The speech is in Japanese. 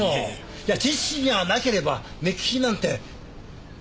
いや知識がなければ目利きなんて。